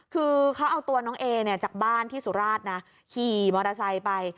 คือเขาเอาตัวน้องเอเนี่ยจากบ้านที่สุราชนะขี่มอเตอร์ไซค์ไป